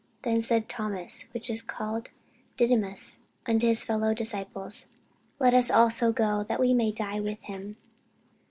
Then said Thomas, which is called Didymus, unto his fellow disciples, Let us also go, that we may die with him.